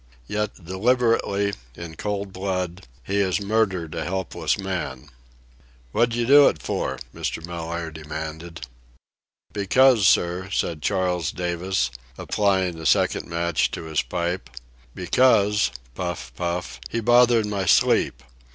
Yet deliberately, in cold blood, he has murdered a helpless man. "What'd you do it for?" Mr. Mellaire demanded. "Because, sir," said Charles Davis, applying a second match to his pipe, "because"—puff, puff—"he bothered my sleep."